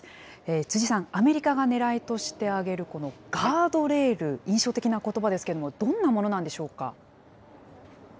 辻さん、アメリカがねらいとして挙げる、このガードレール、印象的なことばですけれども、どんなものなんでしょうか。